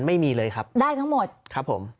ไม่มีเลยครับได้ทั้งหมดครับผม